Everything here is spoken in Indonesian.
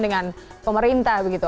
dengan pemerintah begitu